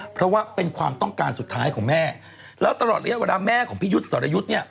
เพราะว่าเป็นความต้องการสุดท้ายของแม่แล้วตลอดระยะเวลาแม่ของพี่ยุทธ์สรยุทธ์เนี่ย